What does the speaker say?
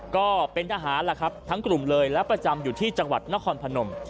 ก็เป็นทหารแหละครับทั้งกลุ่มเลยและประจำอยู่ที่จังหวัดนครพนม